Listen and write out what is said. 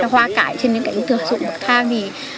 hoa cải trên những cảnh tượng dụng bậc thang